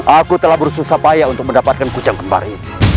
aku telah bersusah payah untuk mendapatkan kucang kembali